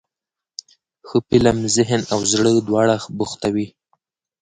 ښه فلم ذهن او زړه دواړه بوختوي.